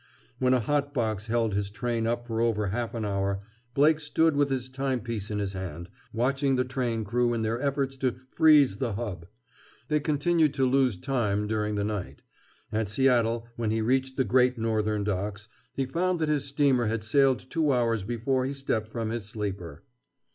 When a hot box held his train up for over half an hour, Blake stood with his timepiece in his hand, watching the train crew in their efforts to "freeze the hub." They continued to lose time, during the night. At Seattle, when he reached the Great Northern docks, he found that his steamer had sailed two hours before he stepped from his sleeper.